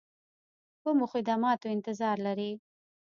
کومو خدماتو انتظار لري.